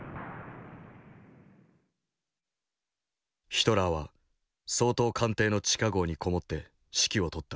ヒトラーは総統官邸の地下壕に籠もって指揮を執った。